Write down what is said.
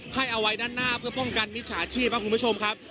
ให้เอาไว้ด้านหน้าเพื่อป้องกันมิจฉาชีพครับคุณผู้ชมครับ